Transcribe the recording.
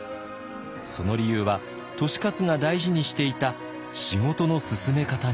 その理由は利勝が大事にしていた仕事の進め方にありました。